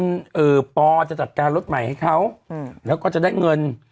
เอ่อปอจะจัดการรถใหม่ให้เขาแล้วก็จะได้เงิน